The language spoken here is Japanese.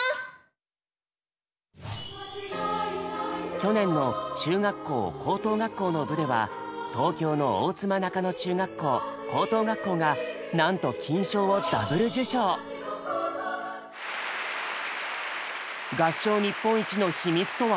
去年の中学校・高等学校の部では東京の大妻中野中学校・高等学校がなんと金賞を合唱日本一の秘密とは？